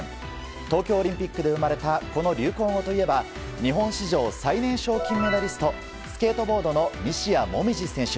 東京オリンピックで生まれたこの流行語といえば日本史上最年少金メダリストスケートボードの西矢椛選手。